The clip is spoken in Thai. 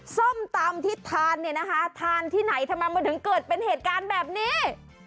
ส้มตำที่ทานเนี่ยนะคะทานที่ไหนทำไมมันถึงเกิดเป็นเหตุการณ์แบบนี้